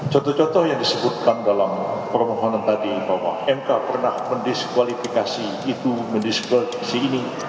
contoh contoh yang disebutkan dalam permohonan tadi bahwa mk pernah mendiskualifikasi itu mendiskualifikasi si ini